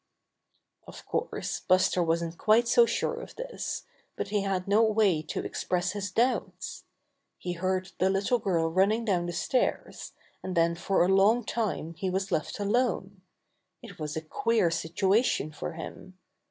Of course, Buster wasn't quite so sure of this, but he had no way to express his doubts. He heard the little girl running down the stairs, and then for a long time he was left alone. It was a queer situation for him.